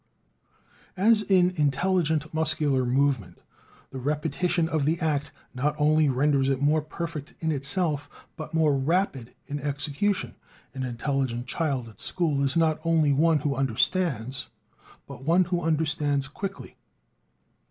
As in intelligent muscular movement, the repetition of the act not only renders it more perfect in itself, but more rapid in execution. An intelligent child at school is not only one who understands, but one who understands quickly.